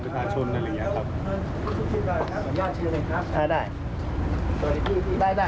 ถามงานอะไรครับอ้าได้